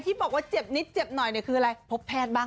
พี่หญิงรักษาคุณผู้ชมค้า